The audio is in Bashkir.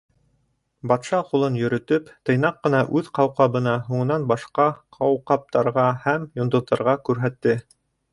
Батша ҡулын йөрөтөп тыйнаҡ ҡына үҙ ҡауҡабына, һуңынан башҡа ҡауҡабтарға һәм йондоҙҙарға күрһәтте.